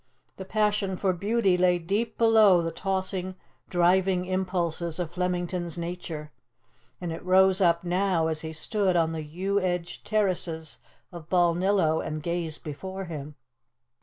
The passion for beauty lay deep below the tossing, driving impulses of Flemington's nature, and it rose up now as he stood on the yew edged terraces of Balnillo and gazed before him.